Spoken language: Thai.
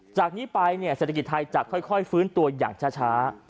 จากนี้ไปเนี่ยเศรษฐกิจไทยจะค่อยฟื้นตัวอย่างช้า